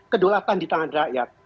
kedulatan di tangan rakyat